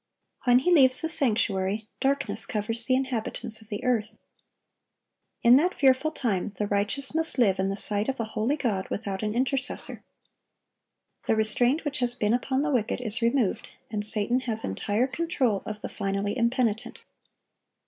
When He leaves the sanctuary, darkness covers the inhabitants of the earth. In that fearful time the righteous must live in the sight of a holy God without an intercessor. The restraint which has been upon the wicked is removed, and Satan has entire control of the finally impenitent.